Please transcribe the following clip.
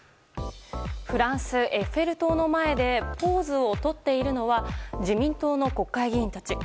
フランス・エッフェル塔の前でポーズをとっているのは自民党の国会議員たち。